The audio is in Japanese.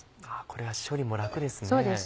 これは処理も楽です。